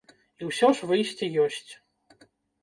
І ўсё ж выйсце ёсць.